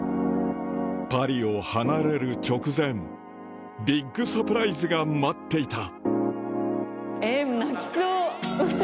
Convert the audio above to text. パリを離れる直前ビッグサプライズが待っていたえ泣きそう。